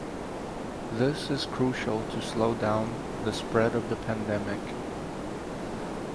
This is crucial to slow down the spread of the pandemic.